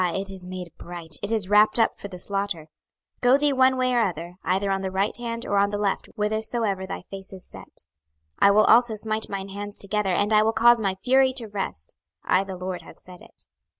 it is made bright, it is wrapped up for the slaughter. 26:021:016 Go thee one way or other, either on the right hand, or on the left, whithersoever thy face is set. 26:021:017 I will also smite mine hands together, and I will cause my fury to rest: I the LORD have said it.